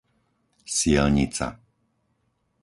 Sielnica